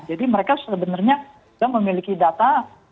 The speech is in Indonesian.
jadi mereka sebenarnya sudah memiliki data